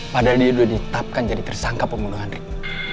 padahal dia udah ditapkan jadi tersangka pembunuhan rick